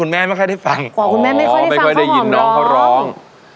อ๋อไม่ค่อยได้ยินน้องเขาร้อง